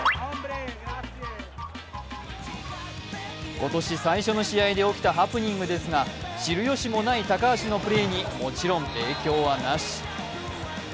今年最初の試合で起きたハプニングですが知るよしもない高橋のプレーにもちろん影響はなし。